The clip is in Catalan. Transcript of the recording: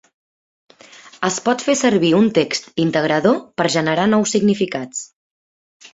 Es pot fer servir un text integrador per generar nous significats.